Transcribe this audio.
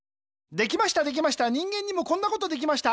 できましたできました人間にもこんなことできました。